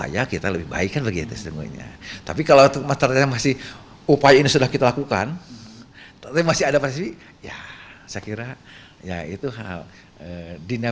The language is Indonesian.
ya itu tadi